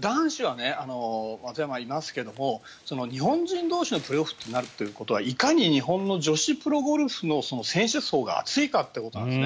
男子は松山がいますけども日本人同士のプレーオフになるということはいかに日本の女子プロゴルフの選手層が厚いかということなんですね。